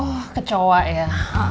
oh ke cowok ya